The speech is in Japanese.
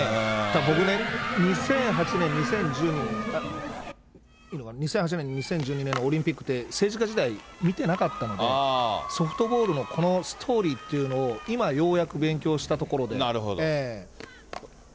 僕ね、２００８年、２０１２年のオリンピックって、政治家時代、見てなかったので、ソフトボールのこのストーリーというのを今、なるほど。